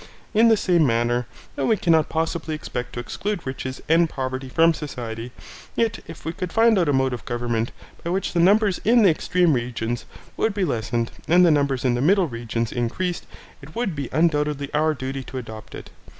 In the same manner, though we cannot possibly expect to exclude riches and poverty from society, yet if we could find out a mode of government by which the numbers in the extreme regions would be lessened and the numbers in the middle regions increased, it would be undoubtedly our duty to adopt it.